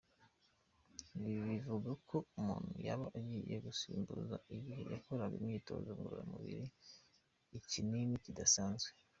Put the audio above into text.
Ibi bivuga ko umuntu yaba agiye gusimbuza igihe yakoraga imyitozo ngororamubiri ikinini kidasanzwe.